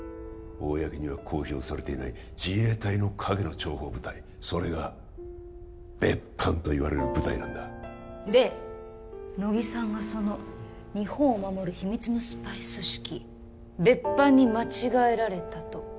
公には公表されていない自衛隊の陰の諜報部隊それが別班といわれる部隊なんだで乃木さんがその日本を守る秘密のスパイ組織別班に間違えられたと？